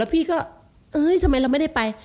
แล้วพี่ก็หญิงสมัยเราไม่ได้ไป